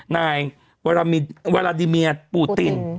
นายวาลาดิเมียปูติน